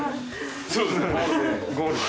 そうですねゴールデン。